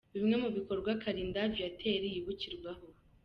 Bimwe mu bikorwa Kalinda Viateur yibukirwaho :.